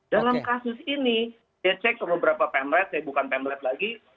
dalam kasus ini saya cek ke beberapa pamlet bukan pamlet lagi